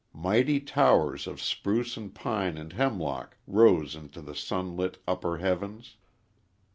Mighty towers of spruce and pine and hemlock rose into the sunlit, upper heavens.